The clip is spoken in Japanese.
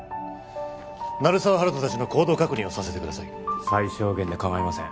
鳴沢温人達の行動確認をさせてください最小限で構いません